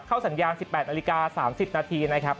เริ่มเข้าสัญญา๑๘นาฬิกา๓๐นาทีนะครับ